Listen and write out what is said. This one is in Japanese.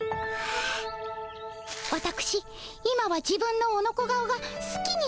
わたくし今は自分のオノコ顔がすきになりました。